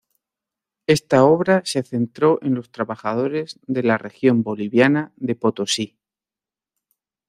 Esta obra se centró en los trabajadores de la región boliviana de Potosí.